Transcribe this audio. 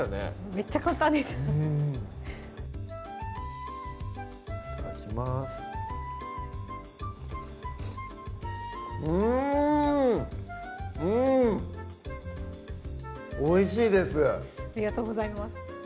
めっちゃ簡単ですいただきますうんうん！おいしいですありがとうございます